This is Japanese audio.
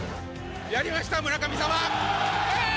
やりました、村神様！